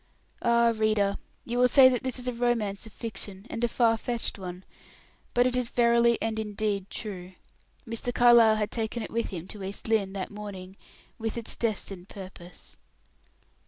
Ah, reader! You will say that this is a romance of fiction, and a far fetched one, but it is verily and indeed true. Mr. Carlyle had taken it with him to East Lynne, that morning, with its destined purpose.